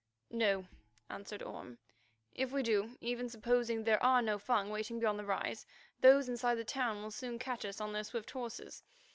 "No," answered Orme. "If we do, even supposing there are no Fung waiting beyond the rise, those inside the town will soon catch us on their swift horses.